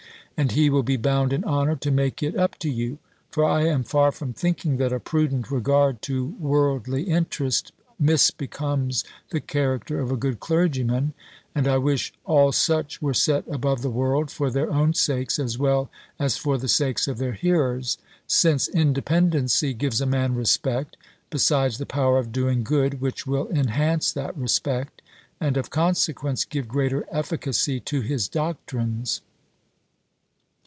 And he will be bound in honour to make it up to you. For I am far from thinking that a prudent regard to worldly interest misbecomes the character of a good clergyman; and I wish all such were set above the world, for their own sakes, as well as for the sakes of their hearers; since independency gives a man respect, besides the power of doing good, which will enhance that respect, and of consequence, give greater efficacy to his doctrines.